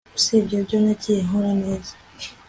Usibye ibyo nagiye nkora neza